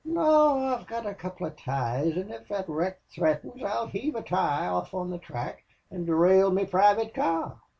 "Naw! I've got a couple of ties, an' if thot wreck threatens I'll heave a tie off on the track an' derail me private car."